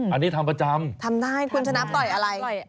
อันนี้ทำประจำทำได้คุณชนะปล่อยอะไร